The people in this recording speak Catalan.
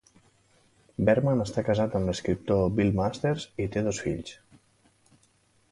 Berman està casat amb l'escriptor Bill Masters i té dos fills.